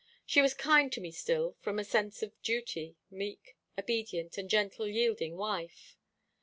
She was kind to me still, from a sense of duty, meek, obedient, a gentle yielding wife.